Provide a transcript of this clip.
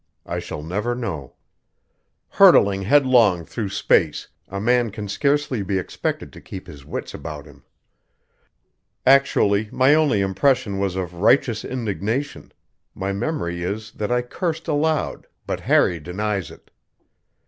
I shall never know. Hurtling headlong through space, a man can scarcely be expected to keep his wits about him. Actually, my only impression was of righteous indignation; my memory is that I cursed aloud, but Harry denies it.